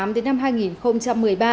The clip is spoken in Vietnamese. tới năm hai nghìn một mươi ba